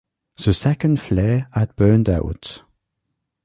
The second flare had burned out.